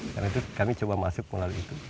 karena itu kami coba masuk melalui itu